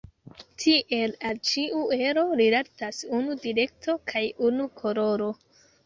Tiel al ĉiu ero rilatas unu direkto kaj unu koloro.